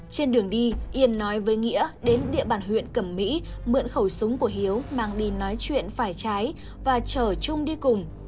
trên đường đi yên nói với nghĩa đến địa bàn huyện cẩm mỹ mượn khẩu súng của hiếu mang đi nói chuyện phải trái và chở trung đi cùng